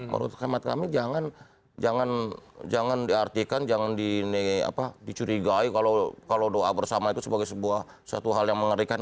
menurut hemat kami jangan diartikan jangan dicurigai kalau doa bersama itu sebagai sebuah satu hal yang mengerikan